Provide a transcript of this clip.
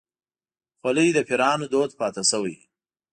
خولۍ د پيرانو دود پاتې شوی.